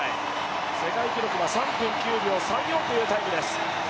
世界記録は３分９秒３４というタイムです。